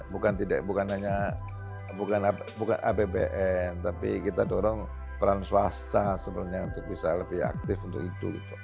bukan hanya apbn tapi kita dorong peran swasta sebenarnya untuk bisa lebih aktif untuk itu